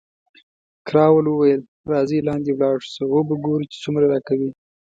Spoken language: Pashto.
کراول وویل، راځئ لاندې ولاړ شو او وو به ګورو چې څومره راکوي.